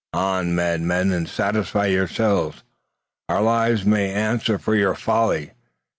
"On, madmen, and satisfy yourselves our lives may answer for your folly!"